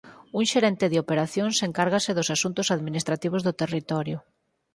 Un Xerente de Operacións encárgase dos asuntos administrativos do territorio.